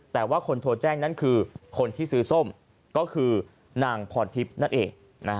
แต่ว่าคนโทรแจ้งนั้นคือคนที่ซื้อส้มก็คือนางพรทิพย์นั่นเอง